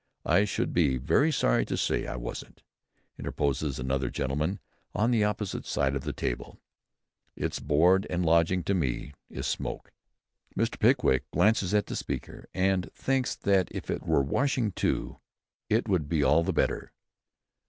"I should be very sorry to say I wasn't," interposes another gentleman on the opposite side of the table. "It's board and lodging to me, is smoke." Mr. Pickwick glances at the speaker, and thinks that if it were washing too, it would be all the better!